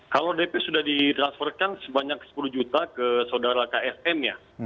kalau dp sudah ditransferkan sebanyak sepuluh juta ke saudara ksm ya